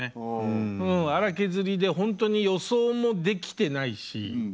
うん粗削りでほんとに予想もできてないし。